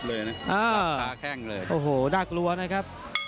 เป็นกล้านคอเลยนะครับ